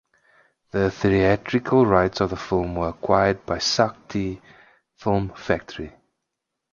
The theatrical rights of the film were acquired by Sakthi Film Factory.